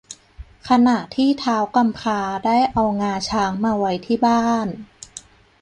ขณะที่ท้าวกำพร้าได้เอางาช้างมาไว้ที่บ้าน